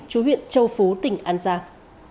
chú huyện châu phú tỉnh an giang